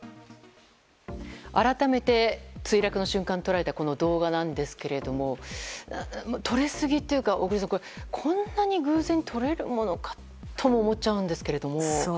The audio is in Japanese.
改めて、墜落の瞬間を捉えたこの動画なんですけれども撮れすぎというかこんなに偶然撮れるものかとも思っちゃうんですけど。